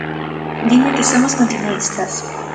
Dime que somos continuístas.